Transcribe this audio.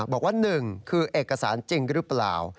บอกว่า๑คือเอกสารจริงหรือเปล่า